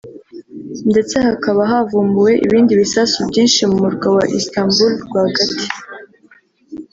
ndetse hakaba havumbuwe ibindi bisasu byinshi mu murwa wa Istanbul rwagati